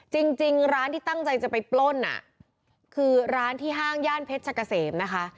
จริงร้านที่ตั้งใจจะไปปล้นอ่ะคือร้านที่ห้างย่านเพชรชะกะเสมนะคะ